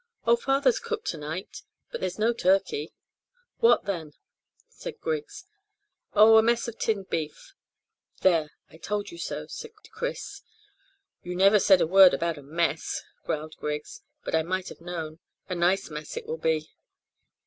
"Oh, father's cook to night; but there's no turkey." "What, then?" said Griggs. "Oh, a mess of tinned beef." "There, I told you so," cried Chris. "You never said a word about a mess," growled Griggs; "but I might have known. A nice mess it will be!"